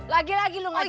lagi lagi lu gak janji